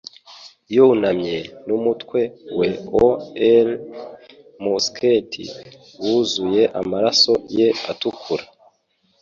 Yunamye, n'umutwe we o'er musket, wuzuye amaraso ye atukura!